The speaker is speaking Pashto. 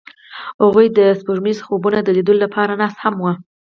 هغوی د سپوږمیز خوبونو د لیدلو لپاره ناست هم وو.